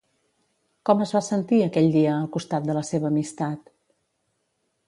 Com es va sentir, aquell dia, al costat de la seva amistat?